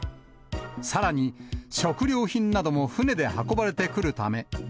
さらに、食料品なども船で運ばれてくるため。